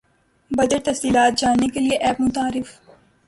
budget تفصیلات جاننے کیلئے ایپ متعارف